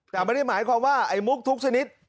แต่ไม่ได้หมายความว่าไอ้มุกทุกชนิด